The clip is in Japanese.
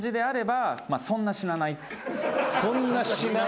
そんな死なない？